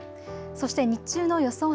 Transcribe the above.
そして日中の予想